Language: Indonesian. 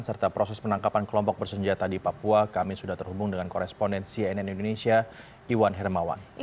serta proses penangkapan kelompok bersenjata di papua kami sudah terhubung dengan koresponden cnn indonesia iwan hermawan